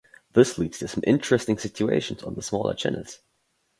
This leads to some interesting situations on the smaller channels.